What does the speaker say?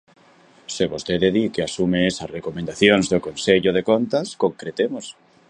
Se vostede di que asume esas recomendacións do Consello de Contas, concretemos.